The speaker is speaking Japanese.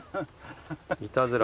いたずら。